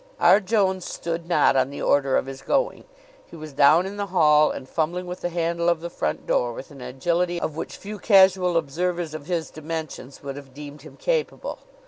R. Jones stood not on the order of his going. He was down in the hall and fumbling with the handle of the front door with an agility of which few casual observers of his dimensions would have deemed him capable.